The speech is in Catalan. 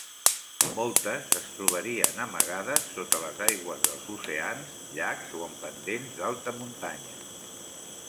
Moltes es trobarien amagades sota les aigües dels oceans, llacs, o en pendents d'alta muntanya.